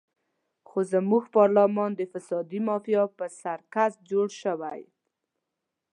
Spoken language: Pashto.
خو زموږ پارلمان د فسادي مافیا سرکس جوړ شوی.